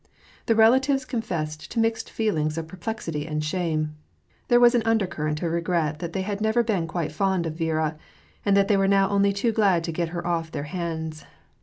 The relatives confessed to mixed feelings of perplexity and shaine. There was an undercurrent of regret that they had never been quite fond of Viera, and that they were now only too glad to get her off their hands.